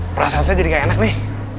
perasaan saya jadi nggak enak nih